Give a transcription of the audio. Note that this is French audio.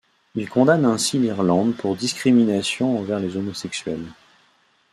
Il condamne ainsi l'Irlande pour discrimination envers les homosexuels.